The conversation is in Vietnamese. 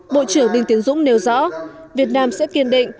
bộ trưởng đinh tiến dũng nêu rõ việt nam sẽ kiên định